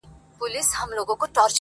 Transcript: • قاضي و ویله غوږ نیسی دوستانو,